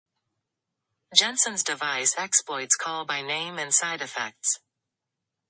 Jensen's device exploits call by name and side-effects.